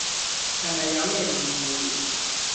係咪有咩誤會？